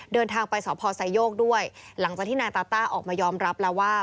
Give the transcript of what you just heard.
เดินทางไปสพไซโยกด้วยหลังจากที่นายตาต้าออกมายอมรับแล้วว่า